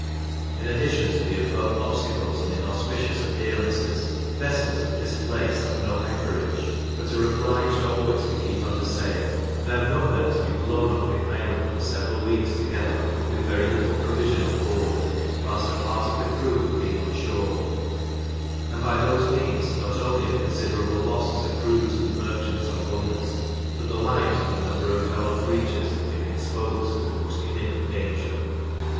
In addition to the above obstacles and inauspicious appearances, vessels at this place have no anchorage, but are obliged always to keep under sail; and I have known them to be blown off the island for several weeks together, with very little provision on board, whilst a part of the crew have been on shore; and by those means not only a considerable loss has accrued to the merchants or owners, but the lives of a number of fellow creatures have been exposed to the most imminent danger.